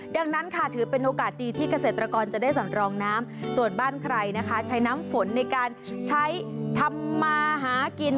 ดังนั้นค่ะถือเป็นโอกาสดีที่เกษตรกรจะได้สำรองน้ำส่วนบ้านใครนะคะใช้น้ำฝนในการใช้ทำมาหากิน